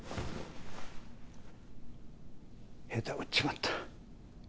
下手打っちまった。